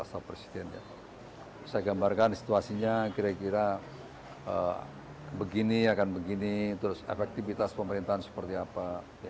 saya gambarkan situasinya kira kira begini akan begini terus efektivitas pemerintahan seperti apa